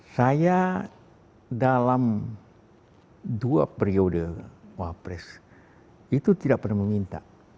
saya dalam dua periode wapres itu tidak pernah meminta